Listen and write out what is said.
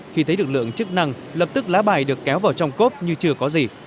khi thấy lực lượng chức năng lập tức lá bài được kéo vào trong cốp như chưa có gì